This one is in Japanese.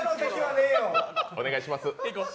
お願いします。